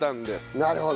なるほど。